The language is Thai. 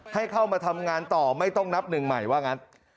ให้เข้ามาทำงานต่อไม่ต้องนับหนึ่งใหม่ว่างั้น